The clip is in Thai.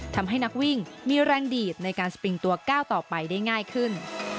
ทำให้นักวิ่งมีแรงดีดในการสปริงตัวก้าวต่อไปได้ง่ายขึ้น